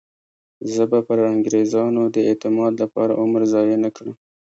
زه به پر انګریزانو د اعتماد لپاره عمر ضایع نه کړم.